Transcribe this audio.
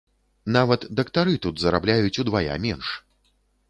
Нават дактары тут зарабляюць удвая менш.